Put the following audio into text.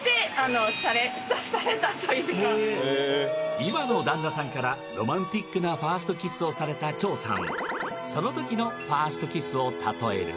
今の旦那さんからロマンティックなファーストキスをされたチョウさん